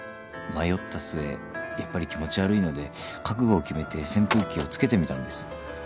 迷った末やっぱり気持ち悪いので覚悟を決めて扇風機をつけてみたんです。